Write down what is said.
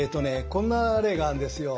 こんな例があるんですよ。